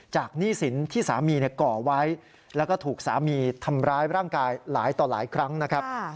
หนี้สินที่สามีก่อไว้แล้วก็ถูกสามีทำร้ายร่างกายหลายต่อหลายครั้งนะครับ